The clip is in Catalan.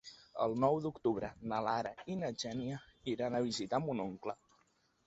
El nou d'octubre na Lara i na Xènia iran a visitar mon oncle.